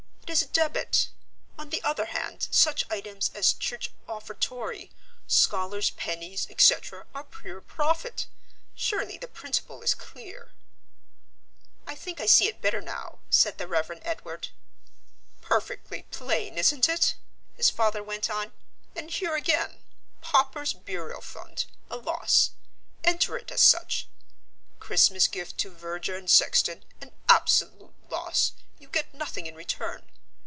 It is a debit. On the other hand, such items as Church Offertory, Scholars' Pennies, etc., are pure profit. Surely the principle is clear." "I think I see it better now," said the Rev. Edward. "Perfectly plain, isn't it?" his father went on. "And here again. Paupers' Burial Fund, a loss; enter it as such. Christmas Gift to Verger and Sexton, an absolute loss you get nothing in return.